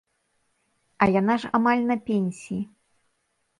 А яна ж амаль на пенсіі.